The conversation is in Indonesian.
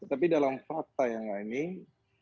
tetapi dalam fakta yang lainnya